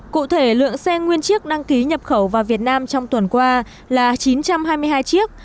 cụ thể lượng xe nguyên chiếc đăng ký nhập khẩu vào việt nam trong tuần qua là chín trăm hai mươi hai chiếc